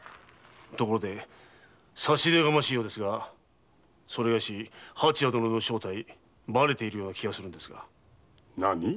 差し出がましいようですがそれがし蜂屋殿の正体ばれているような気がするのですが。